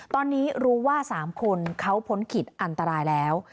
ตอนนี้รู้ว่า๓คนเขาพ้นขีดอันตรายแล้ว